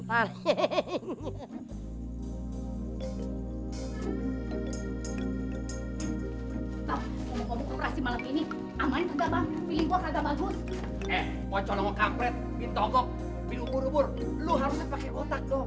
kalau mau kampret pintokok bilubur lubur lo harusnya pakai otak dong